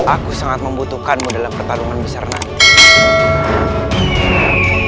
aku sangat membutuhkanmu dalam pertarungan besar nanti